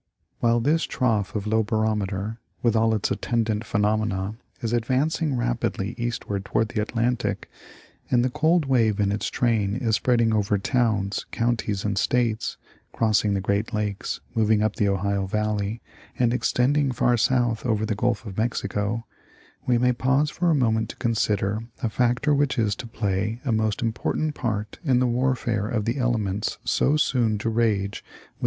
While this trough of low barometer, with all its attendant phenomena, is advancing rapidly eastward toward the Atlantic, and the cold wave in its train is spreading over towns, counties and states — crossing the Great Lakes, moving up the Ohio valley, and extending far south over the Gulf of Mexico— we may pause for a moment to consider a factor which is to play a most im portant part in the warfare of the elements so soon to rage with The Great Storm of March 11 U, 1888.